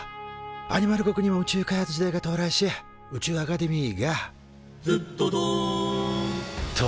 アニマル国にも宇宙開発時代が到来し宇宙アカデミーが「ずっどどん！」と誕生。